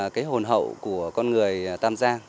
cái hồn hậu của con người tam giang